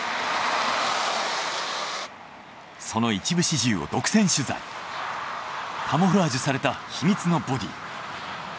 その一部始終をカモフラージュされた秘密のボディ。